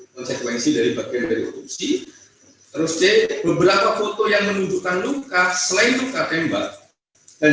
konsekuensi dari bagian dari otopsi terus di beberapa foto yang menunjukkan luka selain luka tembak dan